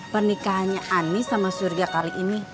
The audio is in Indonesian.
pernikahannya ani sama surya kali ini